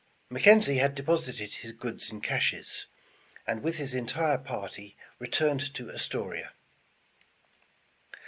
McKenzie had deposited his goods in caches, and with his entire party returned to Astoria.